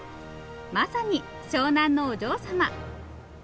まさに湘南のお嬢さま。